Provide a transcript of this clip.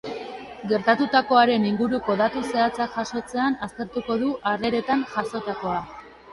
Gertatutakoaren inguruko datu zehatzak jasotzean aztertuko du harreretan jazotakoa.